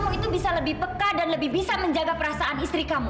kamu itu bisa lebih peka dan lebih bisa menjaga perasaan istri kamu